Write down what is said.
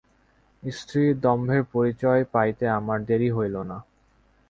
স্ত্রীর দম্ভের পরিচয় পাইতে আমার দেরি হইল না।